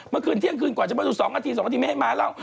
เมื่อคืนเที่ยงคืนกว่าจะมาดู๒นาที๒นาทีไม่ให้ม้าเล่า